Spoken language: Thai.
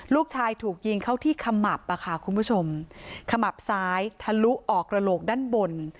ลูกชายถูกยิงเข้าที่ขมับอ่ะค่ะคุณผู้ชมขมับซ้ายทะลุออกกระโหลกด้านบน